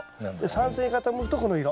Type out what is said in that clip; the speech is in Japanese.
酸性に傾くとこの色。